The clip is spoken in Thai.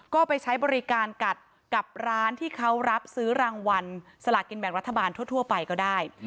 ก็ไปใช้บริการกัดกับร้านที่เขารับซื้อรางวัลสลากินแบ่งรัฐบาลทั่วไปก็ได้